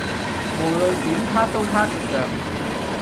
無論點撻都撻唔着